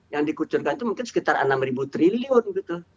yang dikucurkan itu mungkin sekitar enam triliun gitu